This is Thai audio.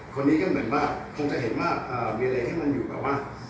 คนนี้ก็เหมือนว่าคงจะเห็นว่ามีอะไรที่มันอยู่แบบว่า